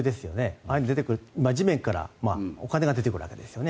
ああいうのは地面からお金が出てくるわけですよね。